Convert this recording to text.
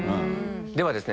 ではですね